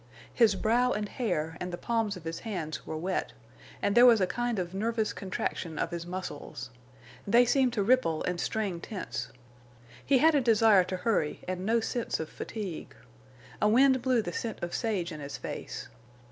His brow and hair and the palms of his hands were wet, and there was a kind of nervous contraction of his muscles. They seemed to ripple and string tense. He had a desire to hurry and no sense of fatigue. A wind blew the scent of sage in his face.